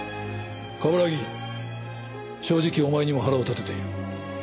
冠城正直お前にも腹を立てている。